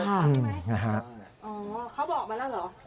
อ๋อเขาบอกมาแล้วเหรอ